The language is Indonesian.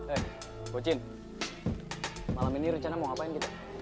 eh coachin malam ini rencana mau ngapain kita